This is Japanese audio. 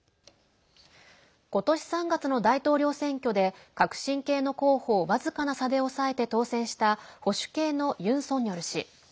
ことし３月の大統領選挙で革新系の候補を僅かな差で抑えて当選した保守系のユン・ソンニョル氏。